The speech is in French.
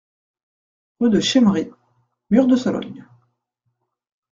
Rue de Chémery, Mur-de-Sologne